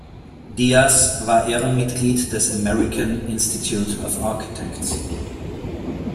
Díaz war Ehrenmitglied des American Institute of Architects.